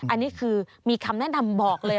อันนี้คือมีคำแนะนำบอกเลย